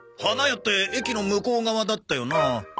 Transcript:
花屋って駅の向こう側だったよな。